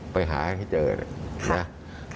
ไปหาให้เจอนะครับ